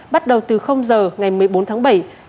bắt đầu từ giờ ngày một mươi bốn tháng bảy